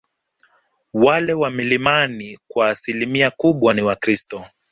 Wale wa milimani kwa asilimia kubwa ni wakristo